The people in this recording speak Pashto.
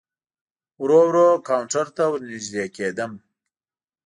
ورو ورو کاونټر ته ور نږدې کېدم.